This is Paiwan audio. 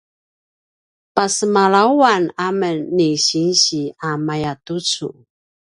pasemalawan amen ni sinsi a mayatucu